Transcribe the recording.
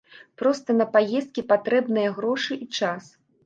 Проста на паездкі патрэбныя грошы і час.